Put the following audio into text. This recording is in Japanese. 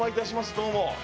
どうも。